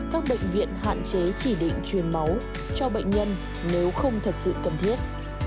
các bệnh viện hạn chế chỉ định truyền máu cho bệnh nhân nếu không thật sự cần thiết